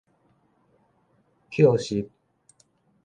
抾拾